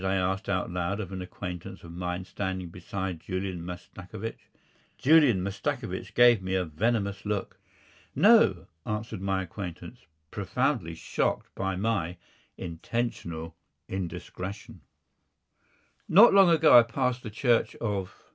I asked out loud of an acquaintance of mine standing beside Julian Mastakovich. Julian Mastakovich gave me a venomous look. "No," answered my acquaintance, profoundly shocked by my intentional indiscretion. Not long ago I passed the Church of